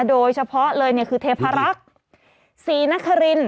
โดยเฉพาะเลยคือเทพารักษ์ศรีนคริน